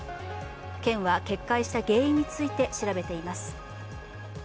県は決壊した原因について調べています。